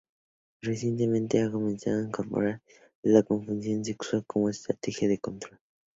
Recientemente se ha comenzado a incorporar la confusión sexual como estrategia de control.